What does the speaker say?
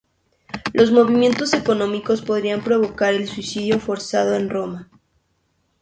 Los motivos económicos podían provocar el suicidio forzado en Roma.